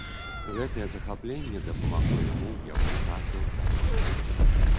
Гэтае захапленне дапамагло яму ў яго працы ў далейшым.